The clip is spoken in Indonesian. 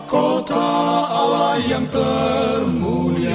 kota allah yang termunya